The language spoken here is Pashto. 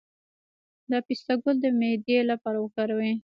د پسته ګل د معدې لپاره وکاروئ